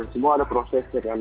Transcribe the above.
semua ada prosesnya kan